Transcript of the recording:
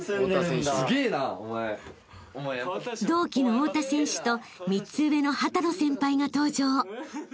［同期の大田選手と３つ上の秦野先輩が登場］